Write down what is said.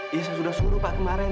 ini saya sudah suruh pak kemarin